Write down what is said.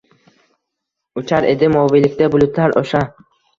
Uchar edi moviylikda, bulutlar osha.